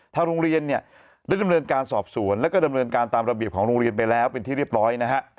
ทางโรงเรียนเนี่ยได้ดำเนินการสอบสวนแล้วก็ดำเนินการตามระเบียบของโรงเรียนไปแล้วเป็นที่เรียบร้อยนะฮะ